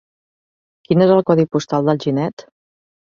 Quin és el codi postal d'Alginet?